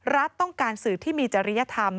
รัฐต้องการสื่อที่มีจริยธรรม